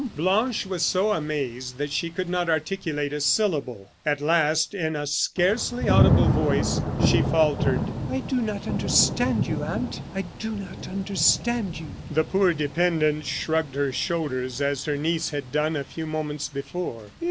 Blanche was so amazed that she could not articulate a syllable. At last, in a scarcely audible voice, she faltered: "I do not understand you, aunt; I do not understand you." The poor dependent shrugged her shoulders, as her niece had done a few moments before.